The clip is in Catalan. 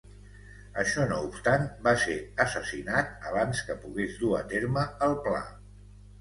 Això no obstant, va ser assassinat abans que pogués dur a terme el pla.